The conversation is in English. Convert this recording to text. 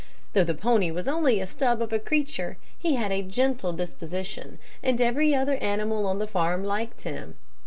Though the pony was only a scrub of a creature, he had a gentle disposition, and every other animal on the farm liked him.